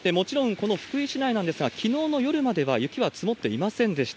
この福井市内なんですが、きのうの夜までは雪は積もっていませんでした。